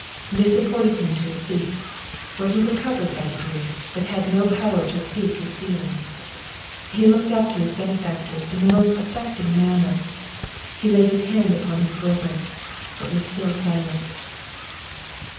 They supported him to a seat, where he recovered by degrees, but had no power to speak his feelings; he looked up to his benefactors in the most affecting manner, he laid his hand upon his bosom, but was still silent.